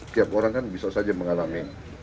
tiap orang kan bisa saja mengalami